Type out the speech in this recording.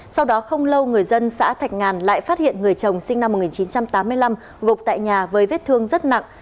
sau đó không lâu người dân xã thạch ngàn lại phát hiện người chồng sinh năm một nghìn chín trăm tám mươi năm gộp tại nhà với vết thương rất nặng